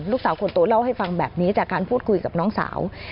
ลูกสาวคนโตเล่าให้ฟังแบบนี้จากการพูดคุยกับน้องสาว